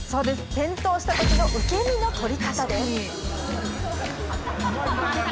転倒したときの受け身の取り方です。